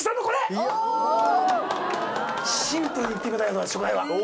シンプルにいってみたい初回は。